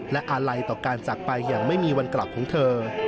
และอาลัยต่อการจากไปอย่างไม่มีวันกลับของเธอ